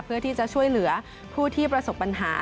เพื่อที่จะช่วยเหลือผู้ที่ประสบปัญหา